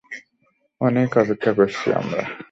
অনেক অপেক্ষা করেছি আমরা।